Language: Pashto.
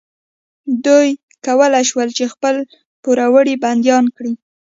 دوی کولی شول چې خپل پوروړي بندیان کړي.